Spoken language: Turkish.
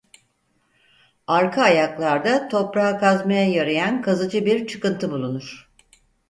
Arka ayaklarda toprağı kazmaya yarayan kazıcı bir çıkıntı bulunur.